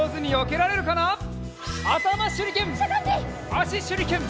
あししゅりけん！